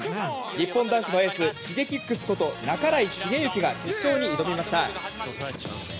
日本男子のエースＳｈｉｇｅｋｉｘこと半井重幸が決勝に挑みました。